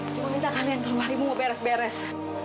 ibu ibu minta kalian tolong hari ibu mau beres beres